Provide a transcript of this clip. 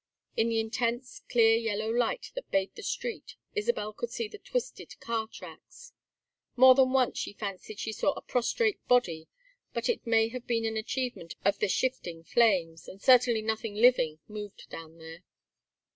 In the intense clear yellow light that bathed the street Isabel could see the twisted car tracks. More than once she fancied she saw a prostrate body, but it may have been an achievement of the shifting flames, and certainly nothing living moved down there.